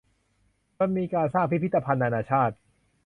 จนมีการสร้างพิพิธภัณฑ์นานาชาติ